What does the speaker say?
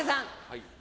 はい。